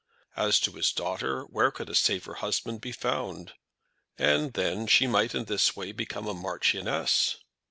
As to his daughter, where could a safer husband be found! And then she might in this way become a marchioness!